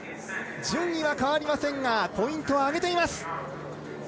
順位は変わりませんがポイントを上げています。